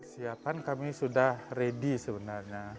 siapan kami sudah ready sebenarnya